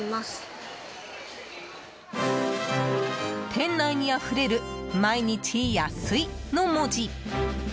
店内にあふれる「毎日安い」の文字。